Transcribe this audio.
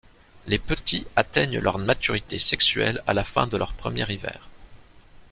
Les petits atteignent leur maturité sexuelle à la fin de leur premier hiver.